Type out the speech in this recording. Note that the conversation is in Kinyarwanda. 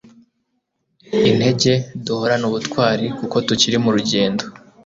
intege, duhorane ubutwari kuko tukiri mu rugendo